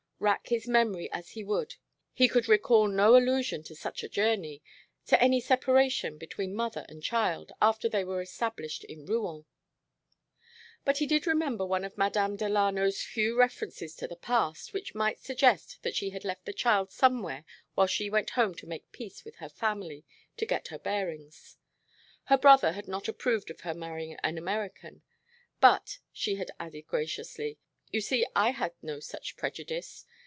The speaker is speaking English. Rack his memory as he would he could recall no allusion to such a journey, to any separation between mother and child after they were established in Rouen. But he did remember one of Madame Delano's few references to the past, which might suggest that she had left the child somewhere while she went home to make peace with her family to get her bearings. Her brother had not approved of her marrying an American. "But," she had added graciously, "you see I had no such prejudice.